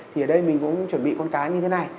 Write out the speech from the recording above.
thì ở đây mình cũng chuẩn bị con cái như thế này